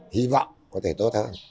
hy vọng có thể tốt hơn